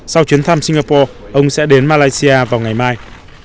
sau chuyến thăm singapore ông sẽ đến malaysia vào ngày mai